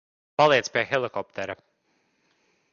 Paliec pie helikoptera.